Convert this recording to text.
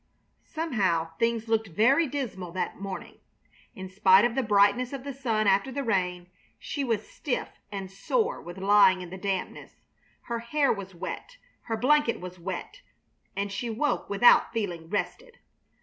Somehow things looked very dismal that morning, in spite of the brightness of the sun after the rain. She was stiff and sore with lying in the dampness. Her hair was wet, her blanket was wet, and she woke without feeling rested.